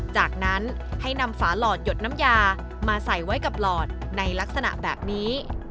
จากนั้นให้นำฝาหลอดหยดน้ำยามาใส่ไว้กับหลอดในลักษณะแบบนี้